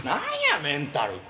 メンタルって。